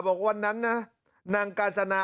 ว่าวันนั้นนางกาจนา